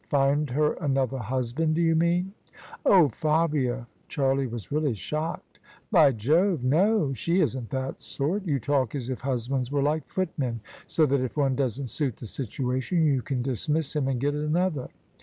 Find her another husband, do you mean ?"" Oh, Fabia! " Charlie was really shocked. " By Jove, no ! She isn't that sort. You talk as if husbands were like footmen: so that if one doesn't suit the situation you can dismiss him and get another."